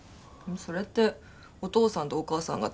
それってお父さんとお母さんがって事ですか？